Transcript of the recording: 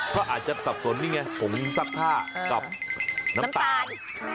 เขาอาจจะสับสนนี่ไงผงซักผ้ากับน้ำตาล